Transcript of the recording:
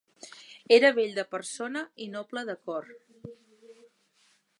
Era bell de persona i noble de cor.